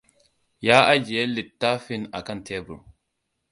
Ya ajiye littafin a kan tebur.